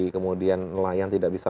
kemudian nelayan tidak bisa